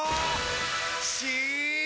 し！